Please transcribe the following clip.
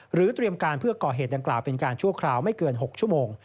เตรียมการเพื่อก่อเหตุดังกล่าวเป็นการชั่วคราวไม่เกิน๖ชั่วโมง